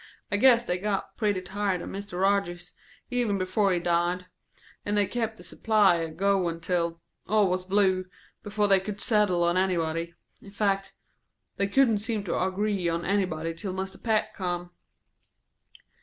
I guess they got pretty tired of Mr. Rogers, even before he died; and they kept the supply a goin' till all was blue, before they could settle on anybody. In fact they couldn't seem to agree on anybody till Mr. Peck come."